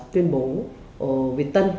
tuyên bố việt tân